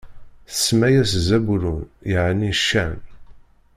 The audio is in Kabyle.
Tsemma-yas Zabulun, yeɛni ccan.